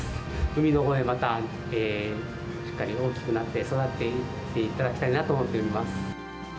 海のほうでまたしっかり大きくなって、育っていっていただきたいなと思っております。